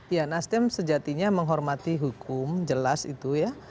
ya nasdem sejatinya menghormati hukum jelas itu ya